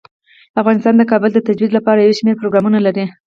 افغانستان د کابل د ترویج لپاره یو شمیر پروګرامونه لري.